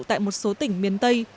tại một số tỉnh miền tây